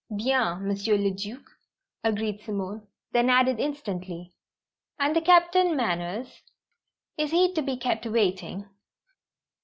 "Bien, Monsieur le Duc!" agreed Simone; then added instantly, "And the Capitaine Manners? Is he to be kept waiting?"